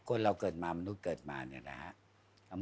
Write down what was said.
คนเราเกิดมามนุษย์เกิดมาเนี่ยนะครับ